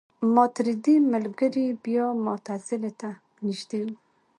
ماتریدي ملګري بیا معتزله ته نژدې وو.